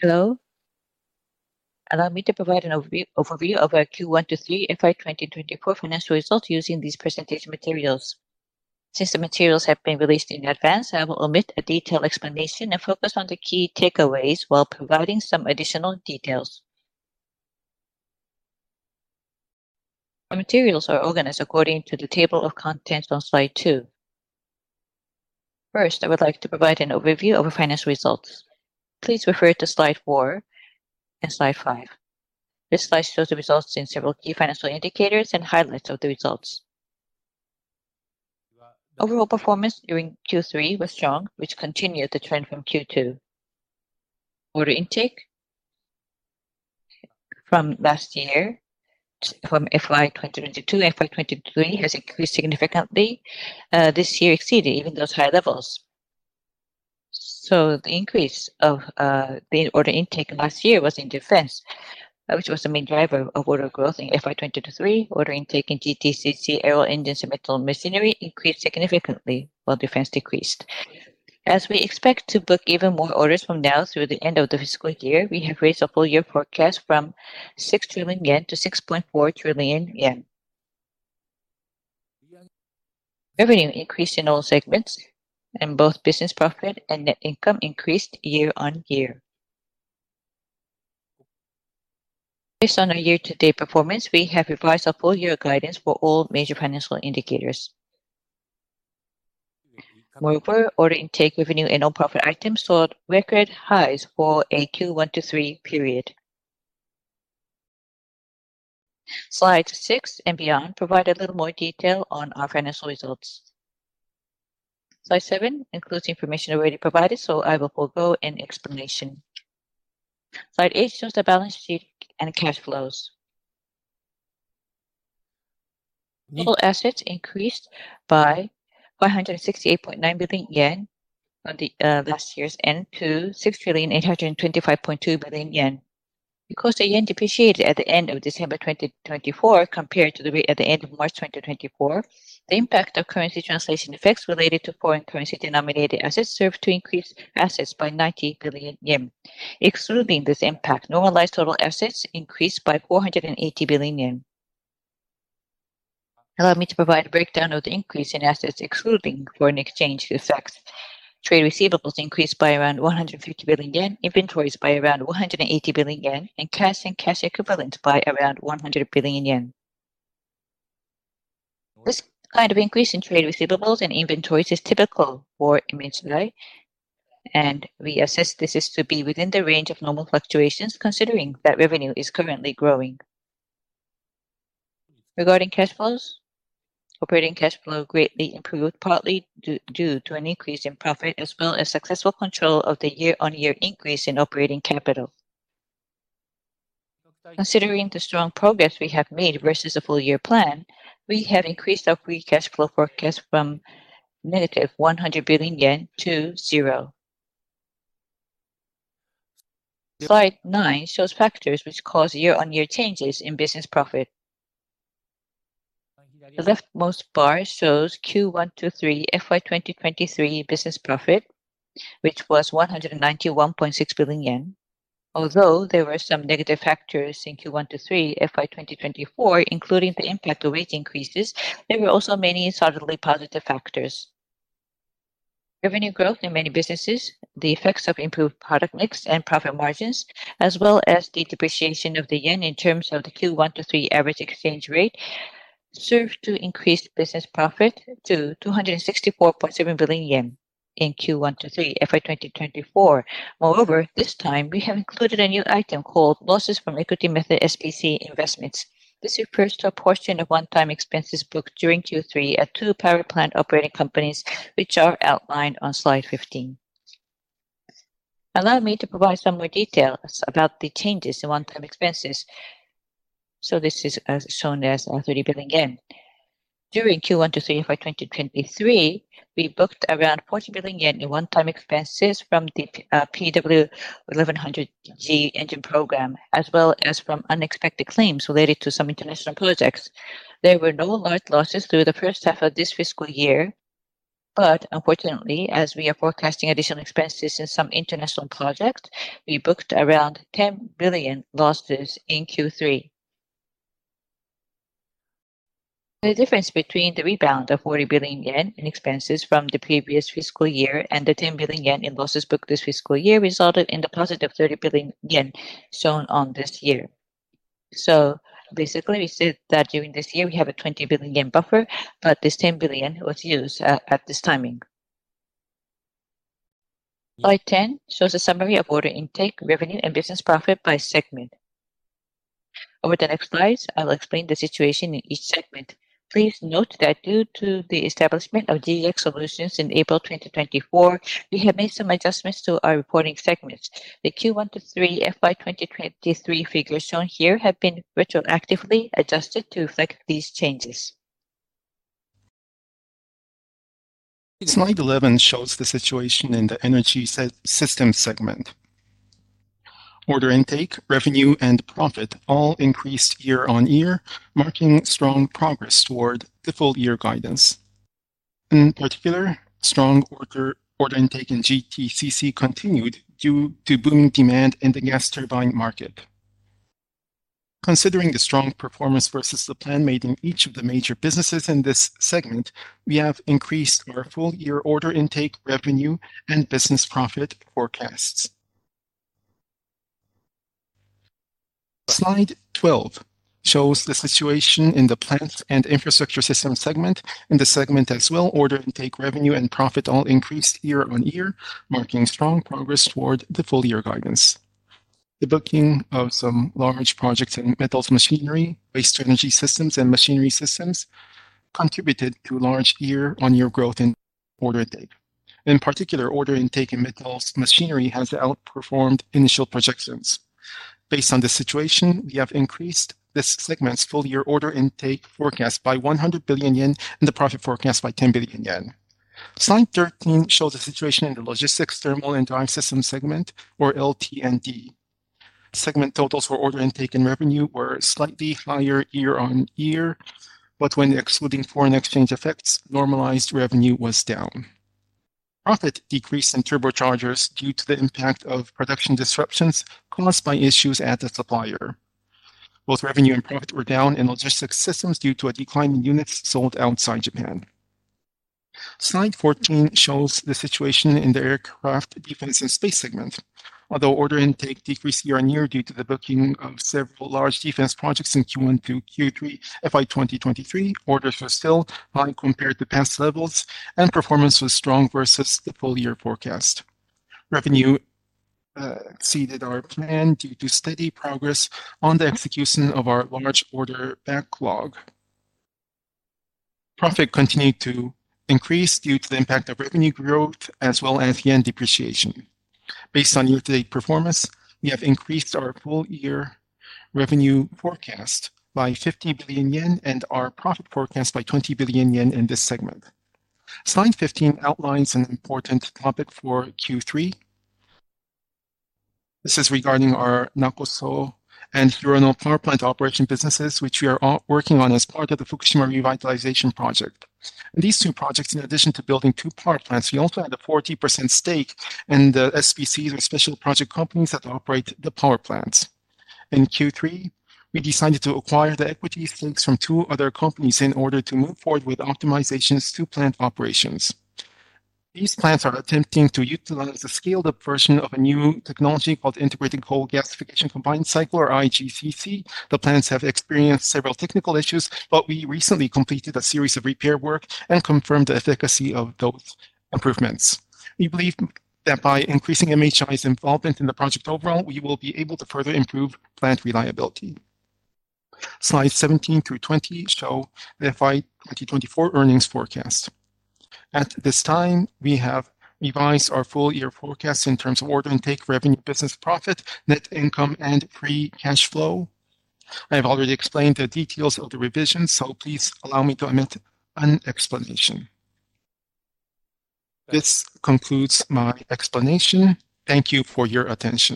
Hello. Allow me to provide an overview of our Q1-Q3 FY 2024 Financial Results using these presentation materials. Since the materials have been released in advance, I will omit a detailed explanation and focus on the key takeaways while providing some additional details. The materials are organized according to the table of contents on Slide Two. First, I would like to provide an overview of our financial results. Please refer to Slide Four and Slide Five. This slide shows the results in several key financial indicators and highlights of the results. Overall performance during Q3 was strong, which continued the trend from Q2. Order intake from last year, from FY 2022 and FY 2023, has increased significantly. This year exceeded even those high levels, so the increase of the order intake last year was in defense, which was the main driver of order growth in FY 2023. Order intake in GTCC, Aero Engine, and Metals Machinery increased significantly, while defense decreased. As we expect to book even more orders from now through the end of the fiscal year, we have raised our full-year forecast from 6 trillion yen to 6.4 trillion yen. Revenue increased in all segments, and both business profit and net income increased year on year. Based on our year-to-date performance, we have revised our full-year guidance for all major financial indicators. Moreover, order intake, revenue, and profit items soared record highs for a Q1 to Q3 period. Slide Six and beyond provide a little more detail on our financial results. Slide Seven includes information already provided, so I will forego an explanation. Slide Eight shows the balance sheet and cash flows. Total assets increased by 568.9 billion yen on last year's end to 6,825.2 billion yen. Because the yen depreciated at the end of December 2024 compared to the rate at the end of March 2024, the impact of currency translation effects related to foreign currency-denominated assets served to increase assets by 90 billion yen. Excluding this impact, normalized total assets increased by 480 billion yen. Allow me to provide a breakdown of the increase in assets excluding foreign exchange effects. Trade receivables increased by around 150 billion yen, inventories by around 180 billion yen, and cash and cash equivalents by around 100 billion yen. This kind of increase in trade receivables and inventories is typical for MHI, and we assess this to be within the range of normal fluctuations, considering that revenue is currently growing. Regarding cash flows, operating cash flow greatly improved, partly due to an increase in profit as well as successful control of the year-on-year increase in operating capital. Considering the strong progress we have made versus the full-year plan, we have increased our free cash flow forecast from negative 100 billion yen to zero. Slide Nine shows factors which cause year-on-year changes in business profit. The leftmost bar shows Q1 to Q3 FY 2023 business profit, which was 191.6 billion yen. Although there were some negative factors in Q1 to Q3 FY 2024, including the impact of rate increases, there were also many solidly positive factors. Revenue growth in many businesses, the effects of improved product mix and profit margins, as well as the depreciation of the yen in terms of the Q1 to Q3 average exchange rate, served to increase business profit to 264.7 billion yen in Q1 to Q3 FY 2024. Moreover, this time, we have included a new item called losses from equity method SPC investments. This refers to a portion of one-time expenses booked during Q3 at two power plant operating companies, which are outlined on Slide 15. Allow me to provide some more details about the changes in one-time expenses. So this is shown as 30 billion yen. During Q1 to Q3 FY 2023, we booked around 40 billion yen in one-time expenses from the PW1100G engine program, as well as from unexpected claims related to some international projects. There were no large losses through the first half of this fiscal year, but unfortunately, as we are forecasting additional expenses in some international projects, we booked around 10 billion losses in Q3. The difference between the rebound of 40 billion yen in expenses from the previous fiscal year and the 10 billion yen in losses booked this fiscal year resulted in the positive 30 billion yen shown this year. Basically, we said that during this year, we have a 20 billion yen buffer, but this 10 billion was used at this timing. Slide 10 shows a summary of order intake, revenue, and business profit by segment. Over the next slides, I will explain the situation in each segment. Please note that due to the establishment of GX Solutions in April 2024, we have made some adjustments to our reporting segments. The Q1 to Q3 FY 2023 figures shown here have been retroactively adjusted to reflect these changes. Slide 11 shows the situation in the Energy Systems segment. Order intake, revenue, and profit all increased year on year, marking strong progress toward the full-year guidance. In particular, strong order intake in GTCC continued due to booming demand in the gas turbine market. Considering the strong performance versus the plan made in each of the major businesses in this segment, we have increased our full-year order intake, revenue, and business profit forecasts. Slide 12 shows the situation in the Plants & Infrastructure Systems segment. In the segment as well, order intake, revenue, and profit all increased year on year, marking strong progress toward the full-year guidance. The booking of some large projects in metal machinery, Waste-to-Energy systems and Machinery Systems contributed to large year-on-year growth in order intake. In particular, order intake in metal machinery has outperformed initial projections. Based on the situation, we have increased this segment's full-year order intake forecast by 100 billion yen and the profit forecast by 10 billion yen. Slide 13 shows the situation in the Logistics, Thermal & Drive Systems segment, or LT&D. Segment totals for order intake and revenue were slightly higher year-on-year, but when excluding foreign exchange effects, normalized revenue was down. Profit decreased in Turbochargers due to the impact of production disruptions caused by issues at the supplier. Both revenue and profit were down in Logistics Systems due to a decline in units sold outside Japan. Slide 14 shows the situation in the Aircraft, Defense and Space segment. Although order intake decreased year-on-year due to the booking of several large defense projects in Q1 to Q3 FY 2023, orders were still high compared to past levels, and performance was strong versus the full-year forecast. Revenue exceeded our plan due to steady progress on the execution of our large order backlog. Profit continued to increase due to the impact of revenue growth as well as yen depreciation. Based on year-to-date performance, we have increased our full-year revenue forecast by 50 billion yen and our profit forecast by 20 billion yen in this segment. Slide 15 outlines an important topic for Q3. This is regarding our Nakoso and Hirono power plant operation businesses, which we are working on as part of the Fukushima Revitalization Project. In these two projects, in addition to building two power plants, we also had a 40% stake in the SPCs, or special purpose companies, that operate the power plants. In Q3, we decided to acquire the equity stakes from two other companies in order to move forward with optimizations to plant operations. These plants are attempting to utilize the scaled-up version of a new technology called Integrated Coal Gasification Combined Cycle, or IGCC. The plants have experienced several technical issues, but we recently completed a series of repair work and confirmed the efficacy of those improvements. We believe that by increasing MHI's involvement in the project overall, we will be able to further improve plant reliability. Slides 17 through 20 show the FY 2024 earnings forecast. At this time, we have revised our full-year forecast in terms of order intake, revenue, business profit, net income, and free cash flow. I have already explained the details of the revision, so please allow me to omit an explanation. This concludes my explanation. Thank you for your attention.